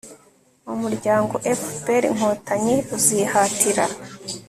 umuryango fpr- inkotanyi uzihatira